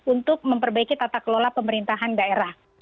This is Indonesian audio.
untuk memperbaiki tata kelola pemerintahan daerah